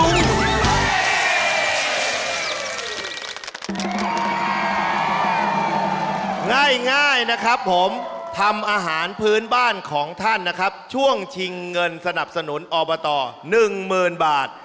ง่ายนะครับผมทำอาหารพื้นบ้านของท่านนะครับช่วงชิงเงินสนับสนุนอบต๑๐๐๐บาท